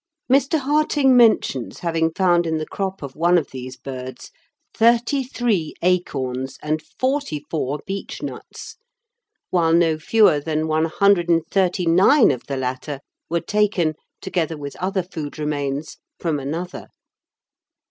Mr. Harting mentions having found in the crop of one of these birds thirty three acorns and forty four beech nuts, while no fewer than 139 of the latter were taken, together with other food remains, from another.